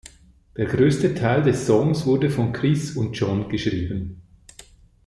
Der größte Teil der Songs wurde von Chris und John geschrieben.